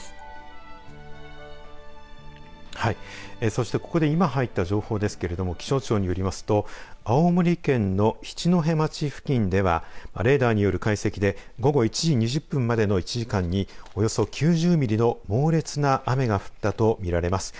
そして、ここで今入った情報ですけれども気象庁によりますと青森県の七戸町付近ではレーダーによる解析で午後１時２０分までの１時間におよそ９０ミリの猛烈な雨が降ったと見られます。